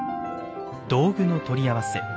道具の取り合わせ